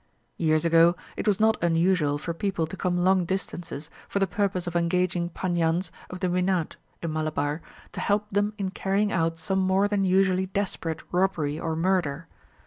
Years ago, it was not unusual for people to come long distances for the purpose of engaging Paniyans of the Wynad (in Malabar) to help them in carrying out some more than usually desperate robbery or murder.